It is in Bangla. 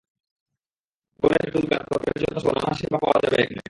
কনে সাজ, চুল কাটা, ত্বকের যত্নসহ নানা সেবা পাওয়া যাবে এখানে।